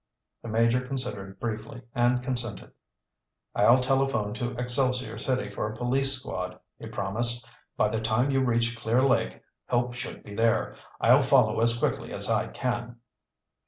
The Major considered briefly and consented. "I'll telephone to Excelsior City for a police squad," he promised. "By the time you reach Clear Lake help should be there. I'll follow as quickly as I can."